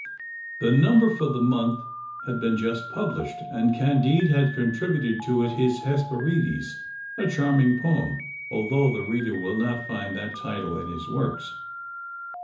The number for the month had been just published, and Candide had contributed to it his "Hesperides," a charming poem, although the reader will not find that title in his works.